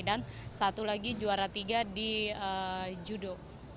dan satu lagi juara tiga di judo